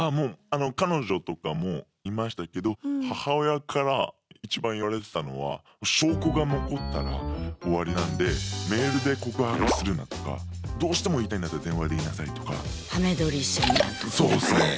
彼女とかもいましたけど母親から一番言われてたのは証拠が残ったら終わりなんで「メールで告白するな」とか「どうしても言いたいんだったら電話で言いなさい」とか。